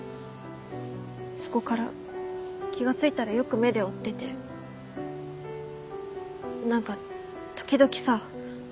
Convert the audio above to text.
そこから気が付いたらよく目で追ってて何か時々さ